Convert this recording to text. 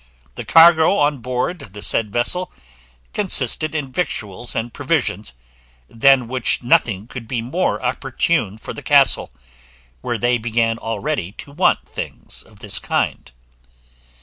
The cargo on board the said vessel consisted in victuals and provisions, than which nothing could be more opportune for the castle, where they began already to want things of this kind.